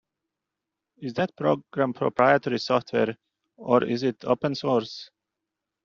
Is that program proprietary software, or is it open source?